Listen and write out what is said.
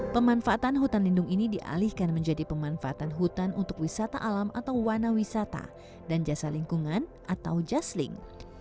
pemanfaatan hutan lindung ini dialihkan menjadi pemanfaatan hutan untuk wisata alam atau wana wisata dan jasa lingkungan atau jasling